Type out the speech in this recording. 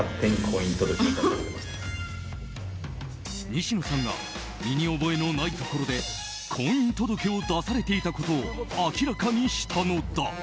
西野さんが身に覚えのないところで婚姻届を出されていたことを明らかにしたのだ。